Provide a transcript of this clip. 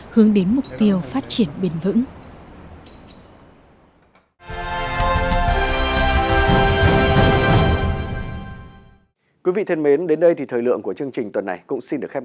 hướng đến mục tiêu phát triển bền vững